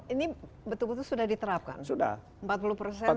ini betul betul sudah diterapkan